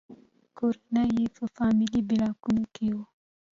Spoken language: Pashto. کور یې په فامیلي بلاکونو کې و.